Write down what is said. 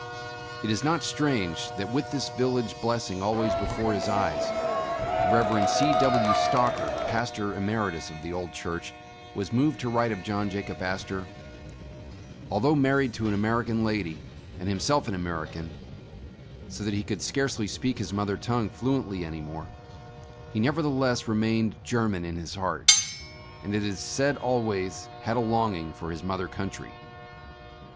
It is not strange, that with this village blessing al ways before his eyes, the Rev. C. W. Stocker, pastor emeritus of the old church, was moved to write of John Jacob Astor: Although married to an American lady, and him self an American, so that he could scarcely speak his mother tongue fluently any more, he nevertheless re mained German in his heart, and it is said always had a longing for his mother country.